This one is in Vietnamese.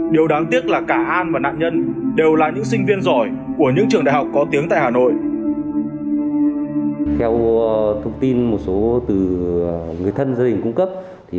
điều đáng tiếc là cả an và nạn nhân đều là những sinh viên doanh nghiệp